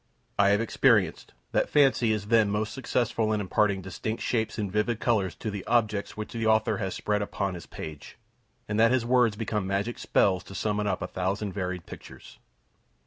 I have experienced, that fancy is then most successful in imparting distinct shapes and vivid colors to the objects which the author has spread upon his page, and that his words become magic spells to summon up a thousand varied pictures.